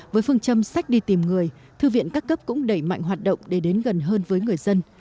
với phương châm sách đi tìm người thư viện các cấp cũng đẩy mạnh hoạt động để đến gần hơn với người dân